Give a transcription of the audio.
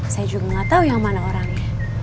saya juga gak tau yang mana orangnya